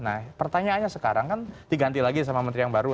nah pertanyaannya sekarang kan diganti lagi sama menteri yang baru